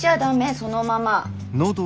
そのまま。